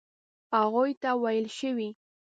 هغوی ته ویل شوي.